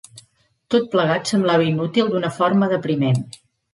Tot plegat semblava inútil d'una forma depriment.